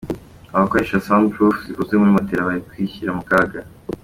Abakoresha Sound proof zikozwe muri matela bari kwishyira mu kaga.